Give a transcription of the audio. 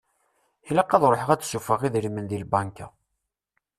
Ilaq ad ṛuḥeɣ ad d-suffɣeɣ idrimen di lbanka.